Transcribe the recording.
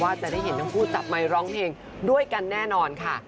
จะได้เห็นทั้งคู่จับไมค์ร้องเพลงด้วยกันแน่นอนค่ะ